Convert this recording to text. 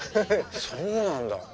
そうなんだ。